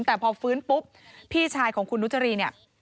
แต่พอฝืนปุ๊บพี่ชายของคุณนุจจรี